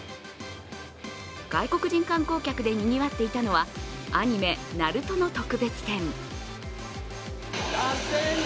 外国人観光客でにぎわっていたのはアニメ「ＮＡＲＵＴＯ」の特別展。